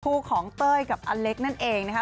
คู่ของเต้ยกับอเล็กนั่นเองนะคะ